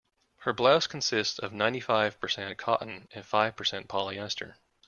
Her blouse consists of ninety-five percent cotton and five percent polyester.